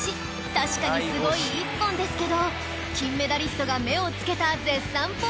確かにすごい一本ですけど金メダリストが目をつけた絶賛ポイントが